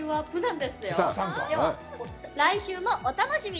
では、来週もお楽しみに！